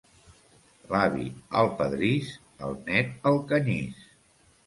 L'avi, al pedrís; el nét, al canyís.